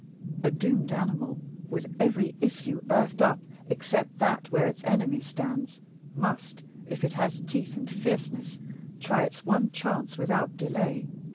A doomed animal, with every issue earthed up except that where its enemy stands, must, if it has teeth and fierceness, try its one chance without delay.